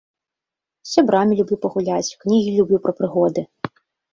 З сябрамі люблю пагуляць, кнігі люблю пра прыгоды.